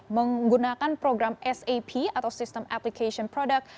menggunakan program sap atau system application product